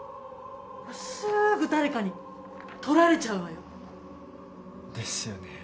すぐ誰かに取られちゃうわよ？ですよね。